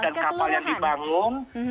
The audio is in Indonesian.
dan kapal yang dibangun